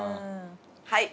はい。